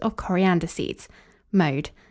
of coriander seeds. Mode.